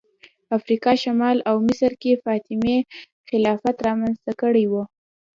افریقا شمال او مصر کې فاطمي خلافت رامنځته کړی و